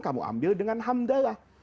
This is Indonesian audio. kamu ambil dengan hamdallah